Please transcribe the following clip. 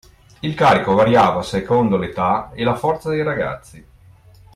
Il carico variava secondo l’età e la forza dei ragazzi